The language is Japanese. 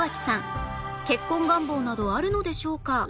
結婚願望などあるのでしょうか？